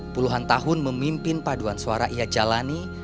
puluhan tahun memimpin paduan suara ia jalani